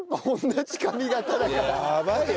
やばいよ